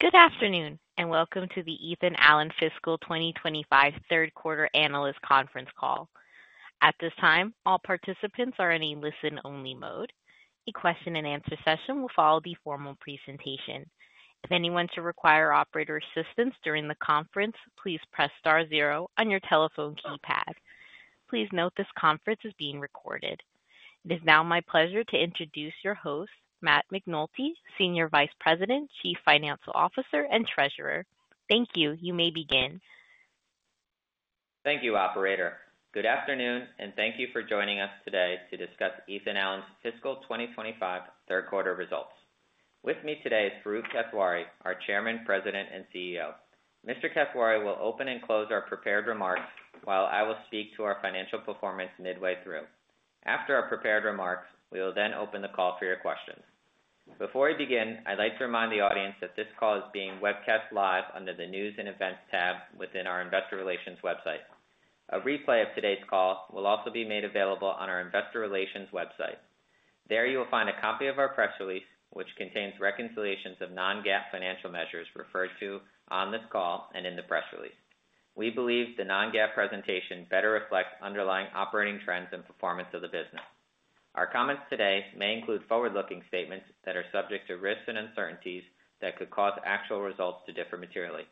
Good afternoon, and welcome to the Ethan Allen Fiscal 2025 Q3 Analyst Conference Call. At this time, all participants are in a listen-only mode. The question-and-answer session will follow the formal presentation. If anyone should require operator assistance during the conference, please press star zero on your telephone keypad. Please note this conference is being recorded. It is now my pleasure to introduce your host, Matt McNulty, Senior Vice President, Chief Financial Officer, and Treasurer. Thank you. You may begin. Thank you, Operator. Good afternoon, and thank you for joining us today to discuss Ethan Allen's Fiscal 2025 Q3 results. With me today is Farooq Kathwari, our Chairman, President, and CEO. Mr. Kathwari will open and close our prepared remarks, while I will speak to our financial performance midway through. After our prepared remarks, we will then open the call for your questions. Before we begin, I'd like to remind the audience that this call is being webcast live under the News and Events tab within our Investor Relations website. A replay of today's call will also be made available on our Investor Relations website. There you will find a copy of our press release, which contains reconciliations of non-GAAP financial measures referred to on this call and in the press release. We believe the non-GAAP presentation better reflects underlying operating trends and performance of the business. Our comments today may include forward-looking statements that are subject to risks and uncertainties that could cause actual results to differ materially.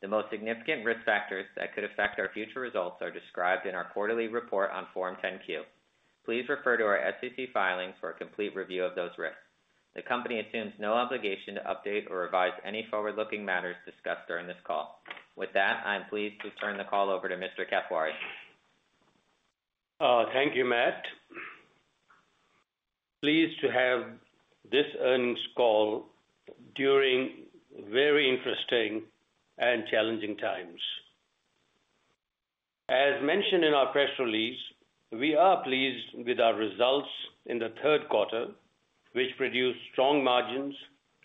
The most significant risk factors that could affect our future results are described in our quarterly report on Form 10-Q. Please refer to our SEC filings for a complete review of those risks. The company assumes no obligation to update or revise any forward-looking matters discussed during this call. With that, I am pleased to turn the call over to Mr. Kathwari. Thank you, Matt. Pleased to have this earnings call during very interesting and challenging times. As mentioned in our press release, we are pleased with our results in the Q3, which produced strong margins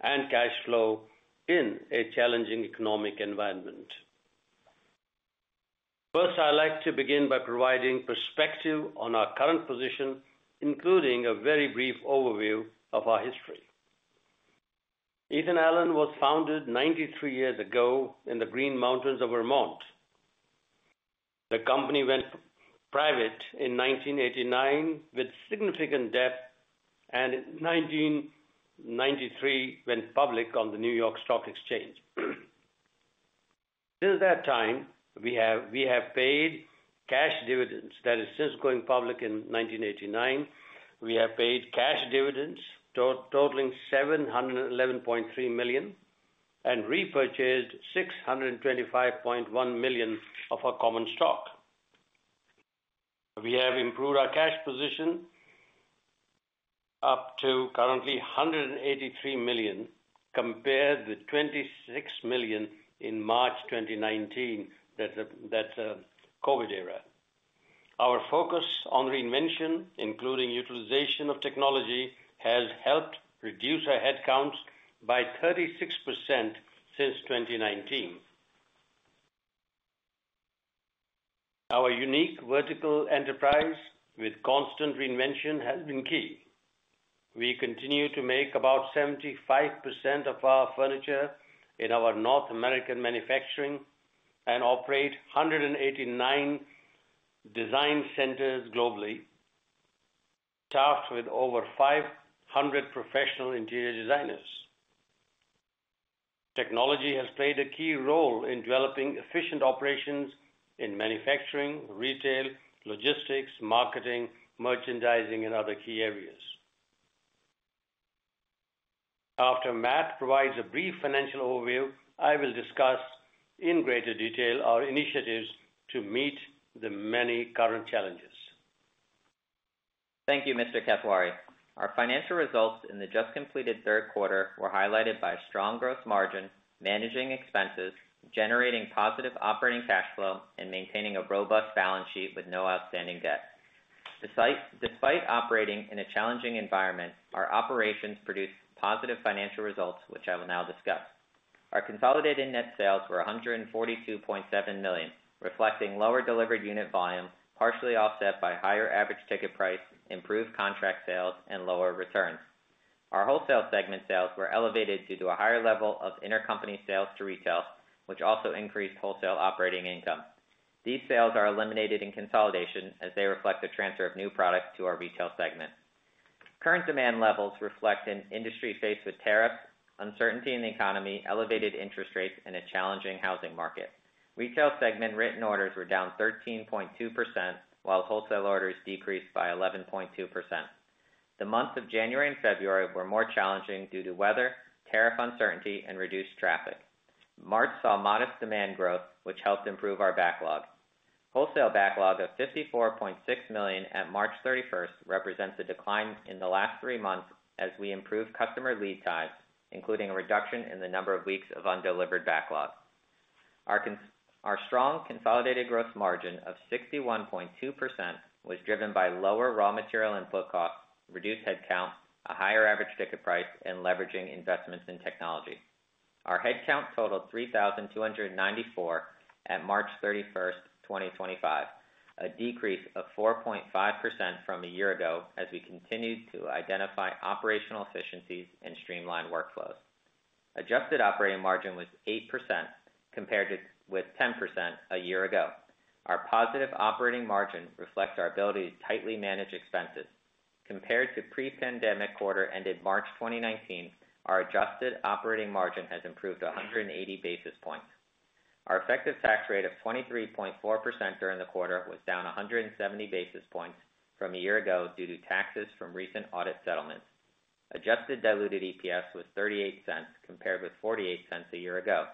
and cash flow in a challenging economic environment. First, I'd like to begin by providing perspective on our current position, including a very brief overview of our history. Ethan Allen was founded 93 years ago in the Green Mountains of Vermont. The company went private in 1989 with significant debt, and in 1993 went public on the New York Stock Exchange. Since that time, we have paid cash dividends. That is, since going public in 1989, we have paid cash dividends totaling $711.3 million and repurchased $625.1 million of our common stock. We have improved our cash position up to currently $183 million, compared with $26 million in March 2019. That's the COVID era. Our focus on reinvention, including utilization of technology, has helped reduce our headcounts by 36% since 2019. Our unique vertical enterprise with constant reinvention has been key. We continue to make about 75% of our furniture in our North American manufacturing and operate 189 design centers globally, staffed with over 500 professional interior designers. Technology has played a key role in developing efficient operations in manufacturing, retail, logistics, marketing, merchandising, and other key areas. After Matt provides a brief financial overview, I will discuss in greater detail our initiatives to meet the many current challenges. Thank you, Mr. Kathwari. Our financial results in the just-completed Q3 were highlighted by a strong gross margin, managing expenses, generating positive operating cash flow, and maintaining a robust balance sheet with no outstanding debt. Despite operating in a challenging environment, our operations produced positive financial results, which I will now discuss. Our consolidated net sales were $142.7 million, reflecting lower delivered unit volume, partially offset by higher average ticket price, improved contract sales, and lower returns. Our wholesale segment sales were elevated due to a higher level of intercompany sales to retail, which also increased wholesale operating income. These sales are eliminated in consolidation as they reflect the transfer of new products to our retail segment. Current demand levels reflect an industry faced with tariffs, uncertainty in the economy, elevated interest rates, and a challenging housing market. Retail segment written orders were down 13.2%, while wholesale orders decreased by 11.2%. The months of January and February were more challenging due to weather, tariff uncertainty, and reduced traffic. March saw modest demand growth, which helped improve our backlog. Wholesale backlog of $54.6 million at March 31 represents a decline in the last three months as we improved customer lead times, including a reduction in the number of weeks of undelivered backlog. Our strong consolidated gross margin of 61.2% was driven by lower raw material input costs, reduced headcount, a higher average ticket price, and leveraging investments in technology. Our headcount totaled 3,294 at March 31, 2025, a decrease of 4.5% from a year ago as we continued to identify operational efficiencies and streamline workflows. Adjusted operating margin was 8% compared with 10% a year ago. Our positive operating margin reflects our ability to tightly manage expenses. Compared to pre-pandemic quarter ended March 2019, our adjusted operating margin has improved 180 basis points. Our effective tax rate of 23.4% during the quarter was down 170 basis points from a year ago due to taxes from recent audit settlements. Adjusted diluted EPS was $0.38 compared with $0.48 a year ago.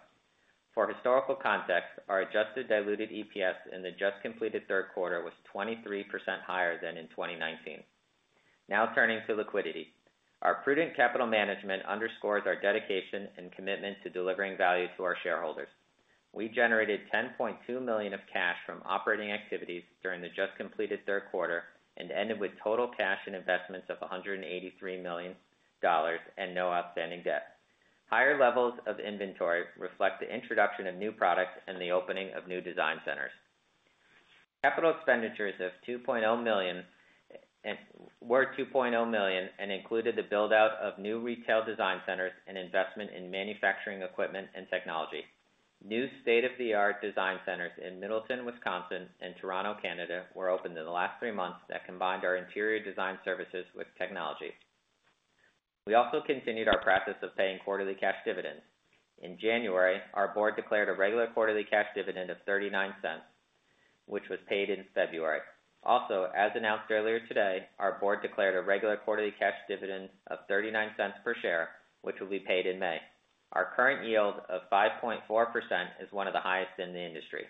For historical context, our adjusted diluted EPS in the just-completed Q3 was 23% higher than in 2019. Now turning to liquidity, our prudent capital management underscores our dedication and commitment to delivering value to our shareholders. We generated $10.2 million of cash from operating activities during the just-completed Q3 and ended with total cash and investments of $183 million and no outstanding debt. Higher levels of inventory reflect the introduction of new products and the opening of new design centers. Capital expenditures of $2.0 million were $2.0 million and included the build-out of new retail design centers and investment in manufacturing equipment and technology. New state-of-the-art design centers in Middleton, Wisconsin, and Toronto, Canada, were opened in the last three months that combined our interior design services with technology. We also continued our practice of paying quarterly cash dividends. In January, our board declared a regular quarterly cash dividend of $0.39, which was paid in February. Also, as announced earlier today, our board declared a regular quarterly cash dividend of $0.39 per share, which will be paid in May. Our current yield of 5.4% is one of the highest in the industry.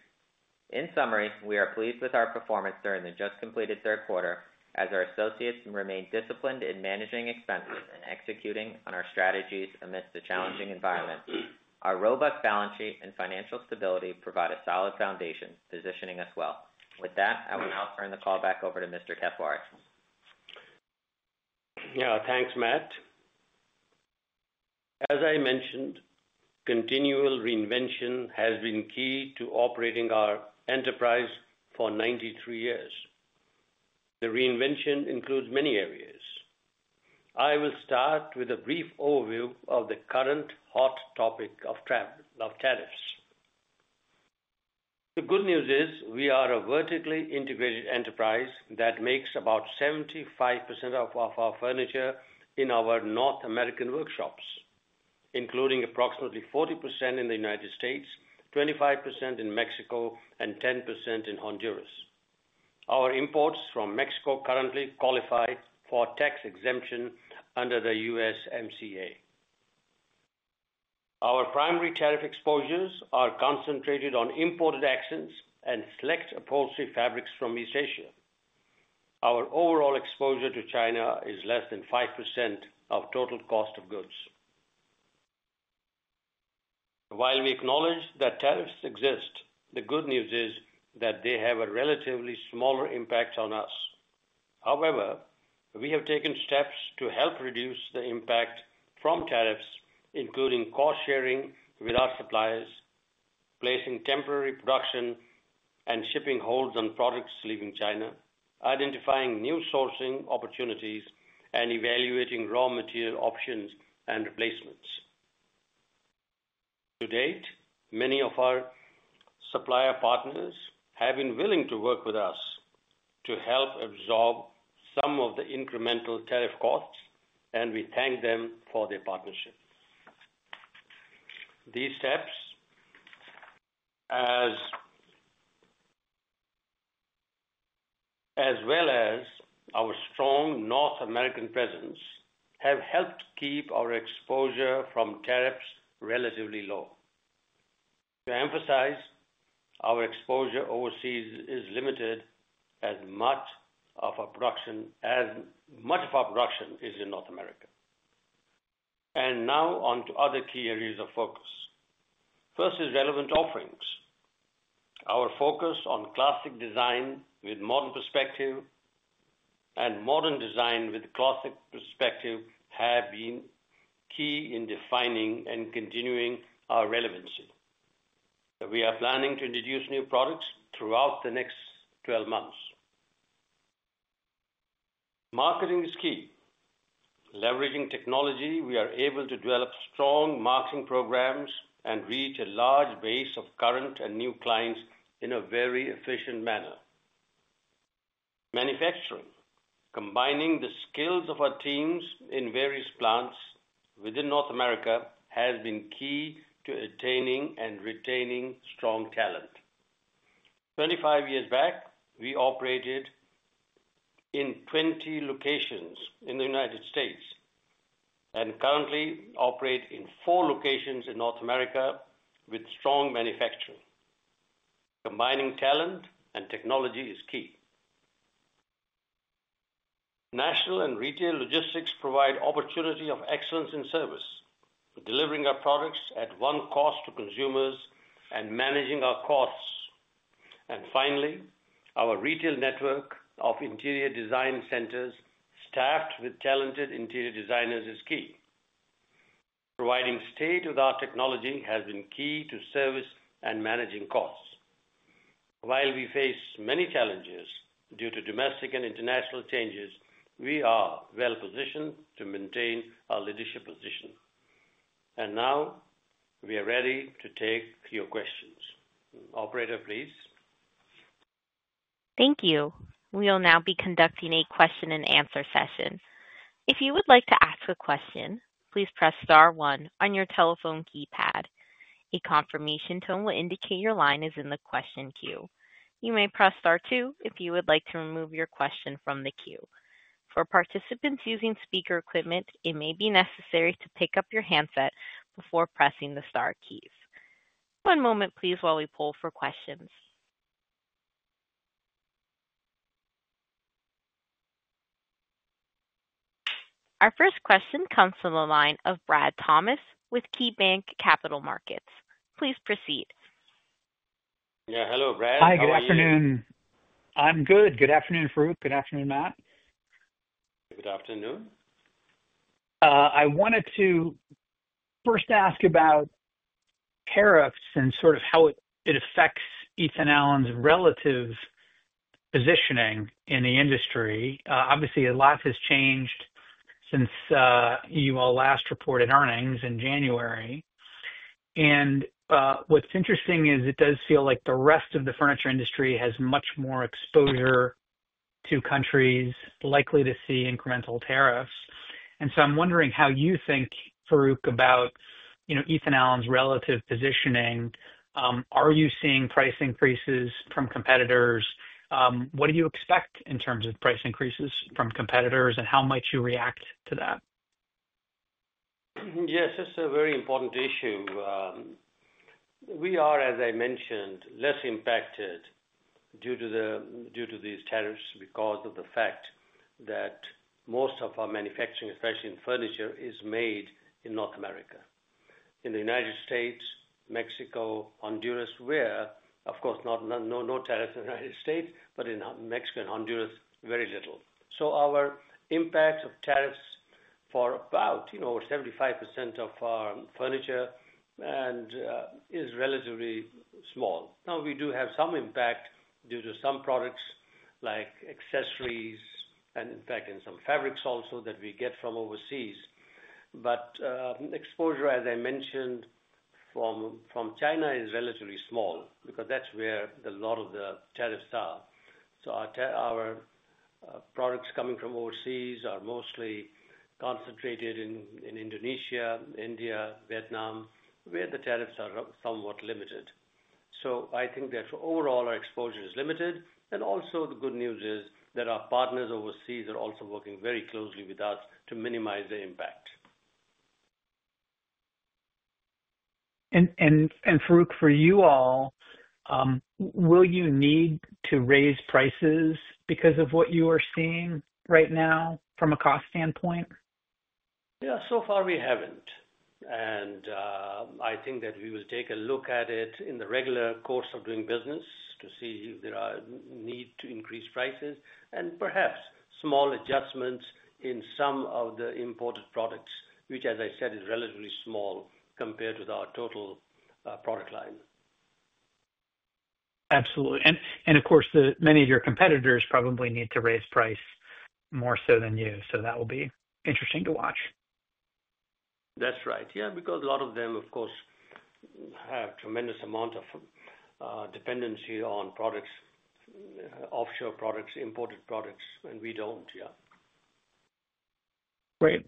In summary, we are pleased with our performance during the just-completed Q3 as our associates remain disciplined in managing expenses and executing on our strategies amidst a challenging environment. Our robust balance sheet and financial stability provide a solid foundation positioning us well. With that, I will now turn the call back over to Mr. Kathwari. Yeah, thanks, Matt. As I mentioned, continual reinvention has been key to operating our enterprise for 93 years. The reinvention includes many areas. I will start with a brief overview of the current hot topic of tariffs. The good news is we are a vertically integrated enterprise that makes about 75% of our furniture in our North American workshops, including approximately 40% in the United States, 25% in Mexico, and 10% in Honduras. Our imports from Mexico currently qualify for tax exemption under the USMCA. Our primary tariff exposures are concentrated on imported accents and select upholstery fabrics from East Asia. Our overall exposure to China is less than 5% of total cost of goods. While we acknowledge that tariffs exist, the good news is that they have a relatively smaller impact on us. However, we have taken steps to help reduce the impact from tariffs, including cost-sharing with our suppliers, placing temporary production and shipping holds on products leaving China, identifying new sourcing opportunities, and evaluating raw material options and replacements. To date, many of our supplier partners have been willing to work with us to help absorb some of the incremental tariff costs, and we thank them for their partnership. These steps, as well as our strong North American presence, have helped keep our exposure from tariffs relatively low. To emphasize, our exposure overseas is limited as much of our production is in North America. Now on to other key areas of focus. First is relevant offerings. Our focus on classic design with modern perspective and modern design with classic perspective have been key in defining and continuing our relevancy. We are planning to introduce new products throughout the next 12 months. Marketing is key. Leveraging technology, we are able to develop strong marketing programs and reach a large base of current and new clients in a very efficient manner. Manufacturing, combining the skills of our teams in various plants within North America, has been key to attaining and retaining strong talent. Twenty-five years back, we operated in 20 locations in the U.S. and currently operate in four locations in North America with strong manufacturing. Combining talent and technology is key. National and retail logistics provide opportunity of excellence in service, delivering our products at one cost to consumers and managing our costs. Our retail network of interior design centers staffed with talented interior designers is key. Providing state-of-the-art technology has been key to service and managing costs. While we face many challenges due to domestic and international changes, we are well-positioned to maintain our leadership position. We are ready to take your questions. Operator, please. Thank you. We will now be conducting a question-and-answer session. If you would like to ask a question, please press star one on your telephone keypad. A confirmation tone will indicate your line is in the question queue. You may press star two if you would like to remove your question from the queue. For participants using speaker equipment, it may be necessary to pick up your handset before pressing the star keys. One moment, please, while we pull for questions. Our first question comes from the line of Brad Thomas with KeyBanc Capital Markets. Please proceed. Yeah, hello, Brad. Hi, good afternoon. I'm good. Good afternoon, Farooq. Good afternoon, Matt. Good afternoon. I wanted to first ask about tariffs and sort of how it affects Ethan Allen's relative positioning in the industry. Obviously, a lot has changed since you all last reported earnings in January. What's interesting is it does feel like the rest of the furniture industry has much more exposure to countries likely to see incremental tariffs. I am wondering how you think, Farooq, about Ethan Allen's relative positioning. Are you seeing price increases from competitors? What do you expect in terms of price increases from competitors, and how might you react to that? Yes, it's a very important issue. We are, as I mentioned, less impacted due to these tariffs because of the fact that most of our manufacturing, especially in furniture, is made in North America. In the United States, Mexico, Honduras, where, of course, no tariffs in the United States, but in Mexico and Honduras, very little. So our impact of tariffs for about 75% of our furniture is relatively small. Now, we do have some impact due to some products like accessories and, in fact, in some fabrics also that we get from overseas. Exposure, as I mentioned, from China is relatively small because that's where a lot of the tariffs are. Our products coming from overseas are mostly concentrated in Indonesia, India, Vietnam, where the tariffs are somewhat limited. I think that overall our exposure is limited. The good news is that our partners overseas are also working very closely with us to minimize the impact. Farooq, for you all, will you need to raise prices because of what you are seeing right now from a cost standpoint? Yeah, so far we haven't. I think that we will take a look at it in the regular course of doing business to see if there is a need to increase prices and perhaps small adjustments in some of the imported products, which, as I said, is relatively small compared with our total product line. Absolutely. Of course, many of your competitors probably need to raise price more so than you, so that will be interesting to watch. That's right. Yeah, because a lot of them, of course, have a tremendous amount of dependency on products, offshore products, imported products, and we don't, yeah. Great.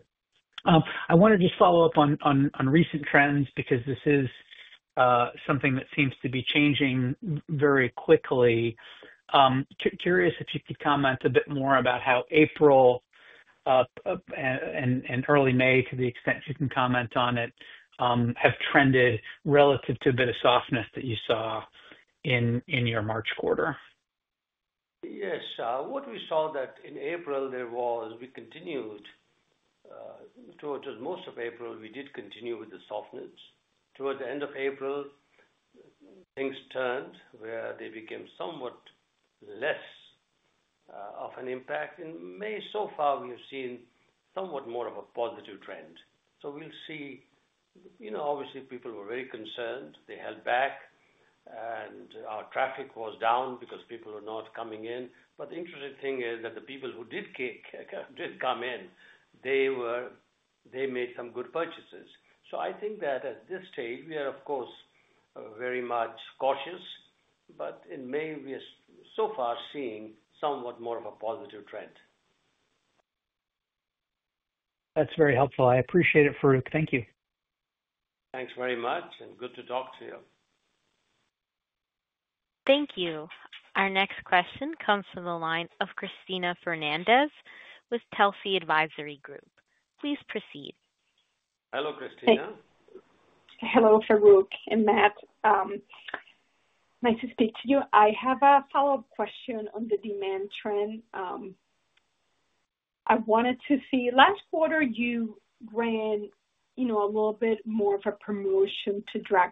I want to just follow up on recent trends because this is something that seems to be changing very quickly. Curious if you could comment a bit more about how April and early May, to the extent you can comment on it, have trended relative to a bit of softness that you saw in your March quarter. Yes. What we saw is that in April, we continued towards most of April, we did continue with the softness. Towards the end of April, things turned where they became somewhat less of an impact. In May, so far, we have seen somewhat more of a positive trend. We will see. Obviously, people were very concerned. They held back, and our traffic was down because people were not coming in. The interesting thing is that the people who did come in, they made some good purchases. I think that at this stage, we are, of course, very much cautious, but in May, we are so far seeing somewhat more of a positive trend. That's very helpful. I appreciate it, Farooq. Thank you. Thanks very much, and good to talk to you. Thank you. Our next question comes from the line Cristina Fernandez with Telsey Advisory Group. Please proceed. Hello, Christina. Hello, Farooq and Matt. Nice to speak to you. I have a follow-up question on the demand trend. I wanted to see last quarter, you ran a little bit more of a promotion to drive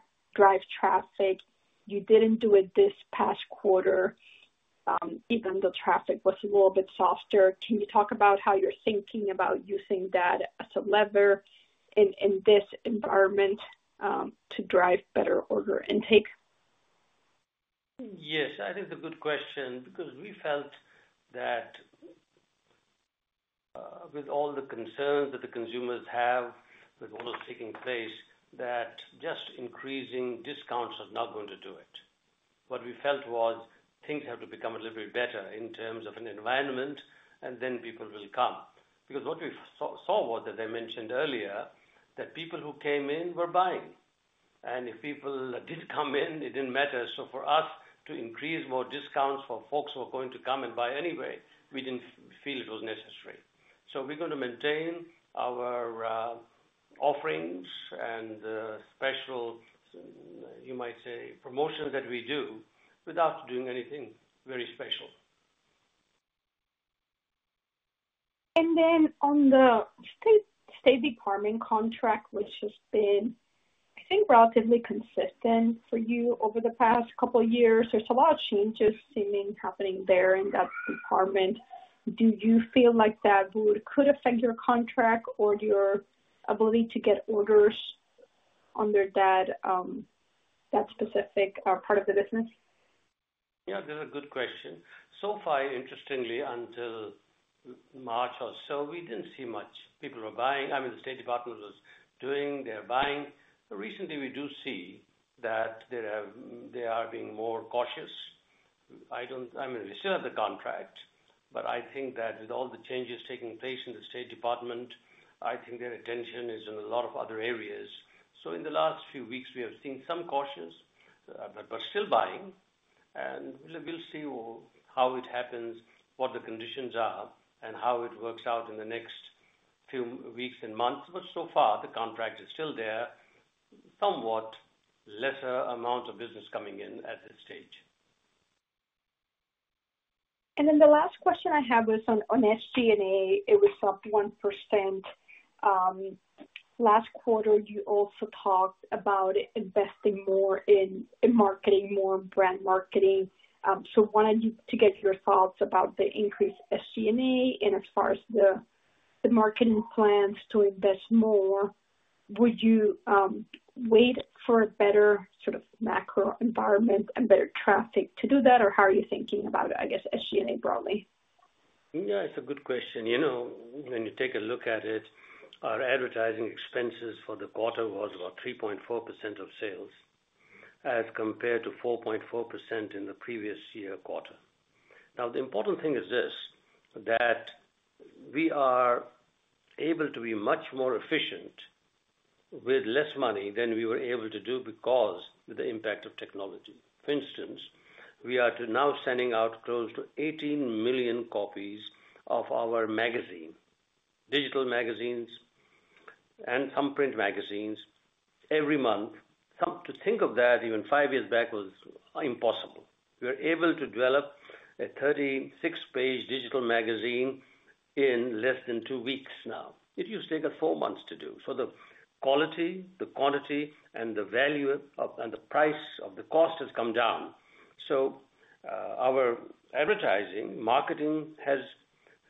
traffic. You did not do it this past quarter, even though traffic was a little bit softer. Can you talk about how you are thinking about using that as a lever in this environment to drive better order intake? Yes. I think it's a good question because we felt that with all the concerns that the consumers have with what was taking place, that just increasing discounts are not going to do it. What we felt was things have to become a little bit better in terms of an environment, and then people will come. Because what we saw was, as I mentioned earlier, that people who came in were buying. If people didn't come in, it didn't matter. For us to increase more discounts for folks who are going to come and buy anyway, we didn't feel it was necessary. We are going to maintain our offerings and special, you might say, promotions that we do without doing anything very special. On the State Department contract, which has been, I think, relatively consistent for you over the past couple of years, there's a lot of changes seeming happening there in that department. Do you feel like that could affect your contract or your ability to get orders under that specific part of the business? Yeah, that's a good question. So far, interestingly, until March or so, we didn't see much. People were buying. I mean, the State Department was doing their buying. Recently, we do see that they are being more cautious. I mean, we still have the contract, but I think that with all the changes taking place in the State Department, I think their attention is in a lot of other areas. In the last few weeks, we have seen some cautious but still buying. We will see how it happens, what the conditions are, and how it works out in the next few weeks and months. So far, the contract is still there, somewhat lesser amount of business coming in at this stage. The last question I have was on SG&A. It was up 1%. Last quarter, you also talked about investing more in marketing, more brand marketing. I wanted to get your thoughts about the increased SG&A and as far as the marketing plans to invest more. Would you wait for a better sort of macro environment and better traffic to do that, or how are you thinking about, I guess, SG&A broadly? Yeah, it's a good question. When you take a look at it, our advertising expenses for the quarter was about 3.4% of sales as compared to 4.4% in the previous year quarter. Now, the important thing is this: that we are able to be much more efficient with less money than we were able to do because of the impact of technology. For instance, we are now sending out close to 18 million copies of our magazine, digital magazines, and some print magazines every month. To think of that, even five years back, was impossible. We were able to develop a 36-page digital magazine in less than two weeks now. It used to take us four months to do. The quality, the quantity, and the value and the price of the cost has come down. Our advertising marketing has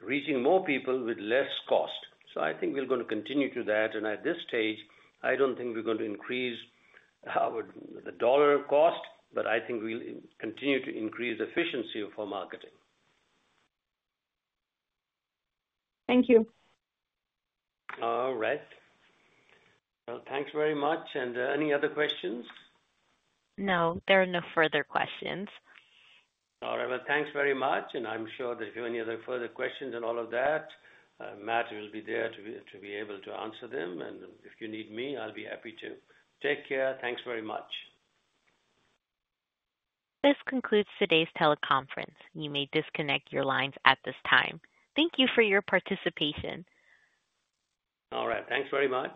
reached more people with less cost. I think we're going to continue to that. At this stage, I don't think we're going to increase the dollar cost, but I think we'll continue to increase efficiency for marketing. Thank you. All right. Thanks very much. Any other questions? No, there are no further questions. All right. Thanks very much. I'm sure that if you have any other further questions and all of that, Matt will be there to be able to answer them. If you need me, I'll be happy to. Take care. Thanks very much. This concludes today's teleconference. You may disconnect your lines at this time. Thank you for your participation. All right. Thanks very much.